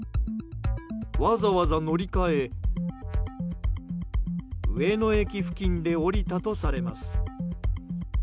わざわざ乗り換え上野駅付近で降りたとされます。